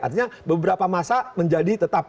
artinya beberapa masa menjadi tetap